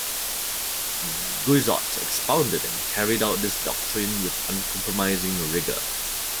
Guizot expounded and carried out this doctrine with uncompromising rigour.